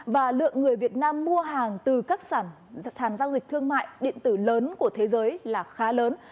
và lượng người việt nam mua hàng từ các sàn giao dịch thương mại điện tử lớn của thế giới là khá lớn